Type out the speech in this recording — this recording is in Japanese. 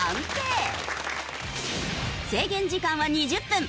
制限時間は２０分。